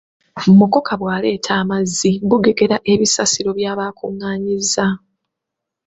Mukoka bwaleeta amazzi bugegera ebisassiro byaba akungaanyizza.